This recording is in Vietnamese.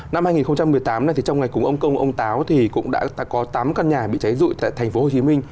năm hai nghìn một mươi tám này thì trong ngày cùng ông công ông táo thì cũng đã có tám căn nhà bị cháy rụi tại thành phố hồ chí minh